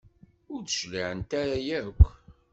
Ur d-cliɛent ara yakk.